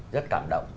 rất cảm động